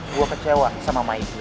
gue kecewa sama maik gue